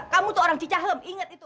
kamu tuh orang cicahem ingat itu